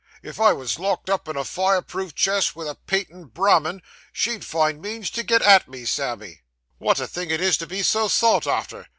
If I was locked up in a fireproof chest vith a patent Brahmin, she'd find means to get at me, Sammy.' 'Wot a thing it is to be so sought arter!